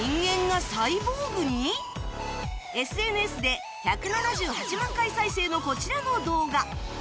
ＳＮＳ で１７８万回再生のこちらの動画